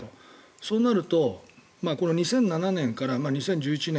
そうなると、２００７年から２０１１年